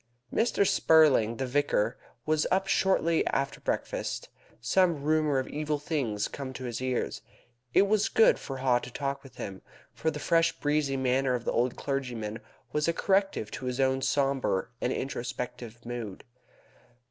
Mr. Spurling, the vicar, was up shortly after breakfast, some rumour of evil having come to his ears. It was good for Haw to talk with him, for the fresh breezy manner of the old clergyman was a corrective to his own sombre and introspective mood.